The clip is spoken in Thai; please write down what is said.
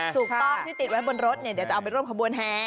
ถูกต้องที่ติดไว้บนรถเนี่ยเดี๋ยวจะเอาไปร่วมขบวนแห่